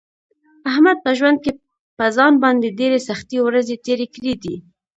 احمد په ژوند کې په ځان باندې ډېرې سختې ورځې تېرې کړې دي.